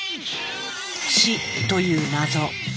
死という謎。